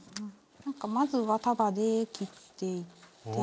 なんかまずは束で切っていって。